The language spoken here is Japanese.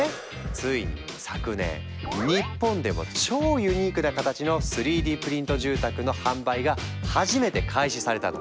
ついに昨年日本でも超ユニークな形の３Ｄプリント住宅の販売が初めて開始されたの。